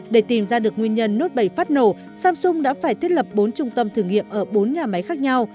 để tìm ra được nguyên nhân nốt bảy phát nổ samsung đã phải thiết lập bốn trung tâm thử nghiệm ở bốn nhà máy khác nhau